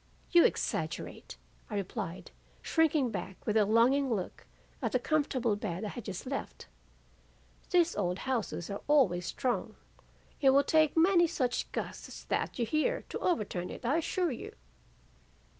"'You exaggerate,' I replied, shrinking back with a longing look at the comfortable bed I had just left. 'These old houses are always strong. It will take many such a gust as that you hear, to overturn it, I assure you.